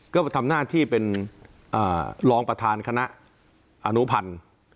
ก็ทำหน้าที่เป็นรองประธานคณะอนุพันธ์